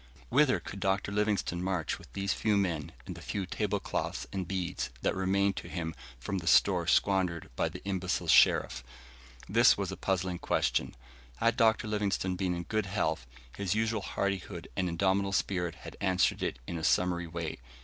Whither could Dr. Livingstone march with these few men, and the few table cloths and beads that remained to him from the store squandered by the imbecile Sherif? This was a puzzling question. Had Dr. Livingstone been in good health, his usual hardihood and indomitable spirit had answered it in a summary way.